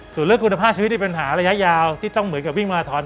ส่วนเรื่องคุณภาพชีวิตในปัญหาระยะยาวที่ต้องเหมือนกับวิ่งมาราทอน